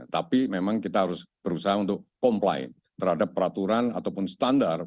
tapi memang kita harus berusaha untuk comply terhadap peraturan ataupun standar